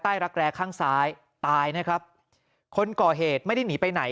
รักแร้ข้างซ้ายตายนะครับคนก่อเหตุไม่ได้หนีไปไหน